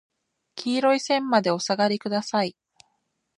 黄色い線までお下がりください。